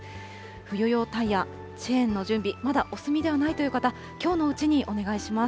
冬用タイヤ、チェーンの準備、まだお済みではないという方、きょうのうちにお願いします。